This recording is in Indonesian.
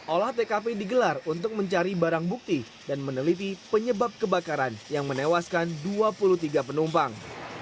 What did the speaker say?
olah tkp digelar untuk mencari barang bukti dan meneliti penyebab kebakaran yang menewaskan dua puluh tiga penumpang